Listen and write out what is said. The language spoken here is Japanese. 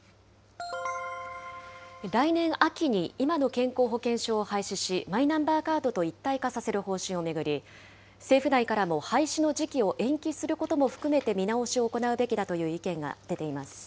来年秋に今の健康保険証を廃止し、マイナンバーカードと一体化させる方針を巡り、政府内からも廃止の時期を延期することも含めて見直しを行うべきだという意見が出ています。